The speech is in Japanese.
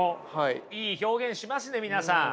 いい表現しますね皆さん。